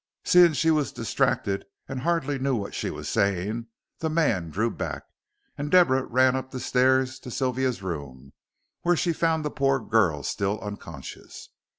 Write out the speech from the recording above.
Seeing she was distracted and hardly knew what she was saying, the man drew back, and Deborah ran up the stairs to Sylvia's room, where she found the poor girl still unconscious.